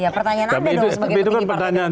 pertanyaan anda sebagai petikip pertanyaan